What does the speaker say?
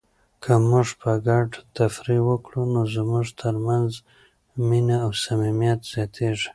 که موږ په ګډه تفریح وکړو نو زموږ ترمنځ مینه او صمیمیت زیاتیږي.